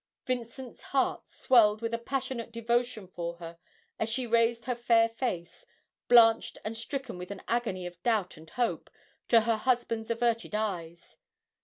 Vincent's heart swelled with a passionate devotion for her as she raised her fair face, blanched and stricken with an agony of doubt and hope, to her husband's averted eyes.